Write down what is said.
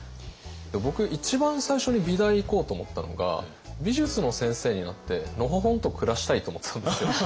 僕一番最初に美大行こうと思ったのが美術の先生になってのほほんと暮らしたいと思ってたんですよ。